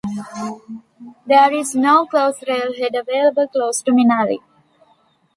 There is no close railhead available close to Manali.